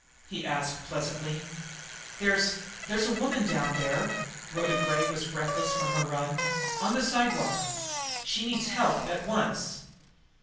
he asked pleasantly. "There's there's a woman down there" Rhoda Gray was breathless from her run "on the sidewalk. She needs help at once."